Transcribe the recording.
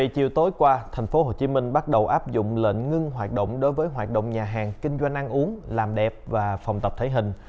chiều tối qua tp hcm bắt đầu áp dụng lệnh ngưng hoạt động đối với hoạt động nhà hàng kinh doanh ăn uống làm đẹp và phòng tập thể hình